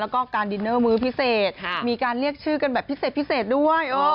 แล้วก็การดินเนอร์มื้อพิเศษมีการเรียกชื่อกันแบบพิเศษพิเศษด้วย